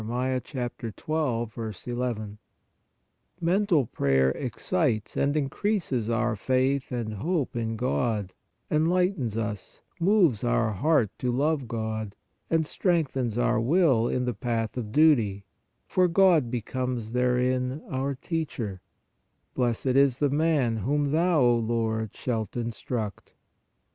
12. n)\ Mental prayer excites and increases our faith and hope in God, enlightens us, moves our heart to love God, and strengthens our will in the path of duty, for God becomes therein our teacher : Blessed is the man, whom Thou, O Lord, shalt instruct* (Ps.